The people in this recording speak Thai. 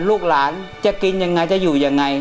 ลูกหลานจะกินยังไงจะอยู่ยังไง